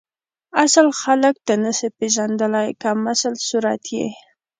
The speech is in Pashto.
اصل خلک ته نسی پیژندلی کمسل صورت یی